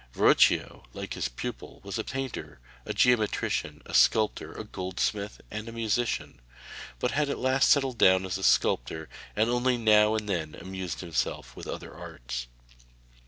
Verrocchio, like his pupil, was a painter, a geometrician, a sculptor, a goldsmith and a musician, but had at last settled down as a sculptor, and only now and then amused himself with other arts.